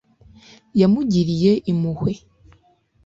Yamugiriye impuhwe